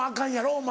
お前。